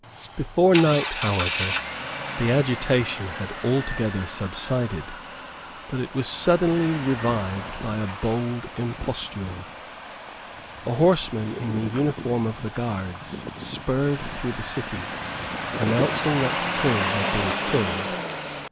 Before night, however, the agitation had altogether subsided; but it was suddenly revived by a bold imposture. A horseman in the uniform of the Guards spurred through the City, announcing that the King had been killed.